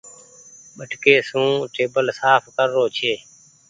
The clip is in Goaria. ٻٽڪي سون ٽيبل سآڦ ڪر رو ڇي۔